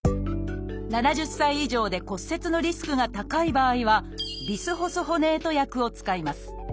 ７０歳以上で骨折のリスクが高い場合は「ビスホスホネート薬」を使います。